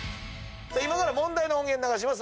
今から問題の音源流します。